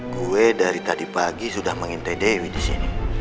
gue dari tadi pagi sudah mengintai dewi disini